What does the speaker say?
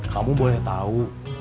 kamu boleh tahu